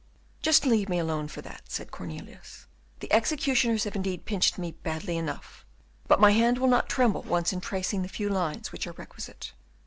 "Just leave me alone for that," said Cornelius. "The executioners have indeed pinched me badly enough, but my hand will not tremble once in tracing the few lines which are requisite."